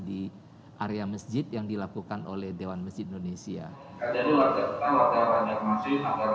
di area masjid yang dilakukan oleh dewan mesjid indonesia jadi wajah wajah rancang masih agar